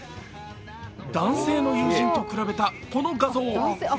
男性の友人と比べたこの画像。